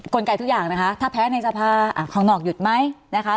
ไกทุกอย่างนะคะถ้าแพ้ในสภาข้างนอกหยุดไหมนะคะ